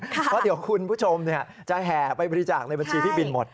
เพราะเดี๋ยวคุณผู้ชมจะแห่ไปบริจาคในบัญชีพี่บินหมด